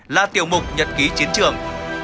là tiểu mục nhật ký chiến trường